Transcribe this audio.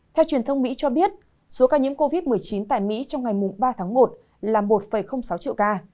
theo truyền thông mỹ cho biết số ca nhiễm covid một mươi chín tại mỹ trong ngày ba tháng một là một sáu triệu ca